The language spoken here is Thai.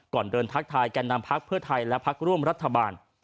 ก่อนเดินทักทายแก่นำพักเพื่อไทยและพักร่วมรัฐบาล